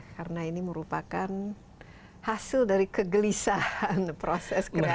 karena ini merupakan hasil dari kegelisahan proses kreatifitas